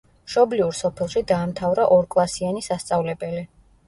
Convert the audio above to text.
მშობლიურ სოფელში დაამთავრა ორკლასიანი სასწავლებელი.